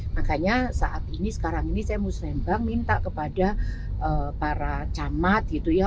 makanya saat ini sekarang ini saya muslembang minta kepada para camat gitu ya